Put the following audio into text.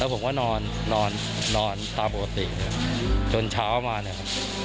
แล้วผมก็นอนนอนนอนตามปกติจนเช้ามาเนี่ย